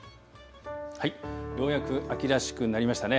ようやく秋らしくなりましたね。